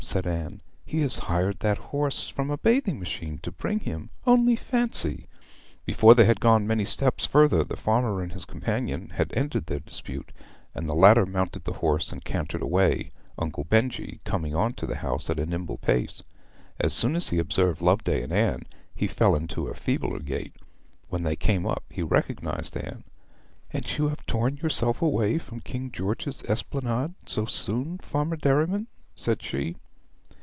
said Anne. 'He has hired that horse from the bathing machine to bring him. Only fancy!' Before they had gone many steps further the farmer and his companion had ended their dispute, and the latter mounted the horse and cantered away, Uncle Benjy coming on to the house at a nimble pace. As soon as he observed Loveday and Anne, he fell into a feebler gait; when they came up he recognized Anne. 'And you have torn yourself away from King George's Esplanade so soon, Farmer Derriman?' said she.